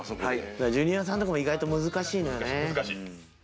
ジュニアさんとかも意外と難しいのよね。